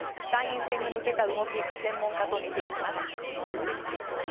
参院選に向けた動き専門家と見ていきます。